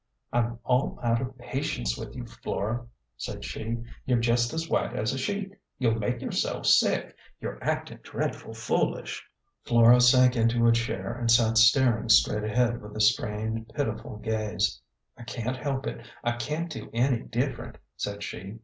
"I'm all out of patience with you, Flora," said she. "You're jest as white as a sheet. You'll make yourself sick. You're actin' dreadful foolish." Flora sank into a chair and sat staring straight ahead with a strained, pitiful gaze. " I can't help it ; I can't do any different," said she.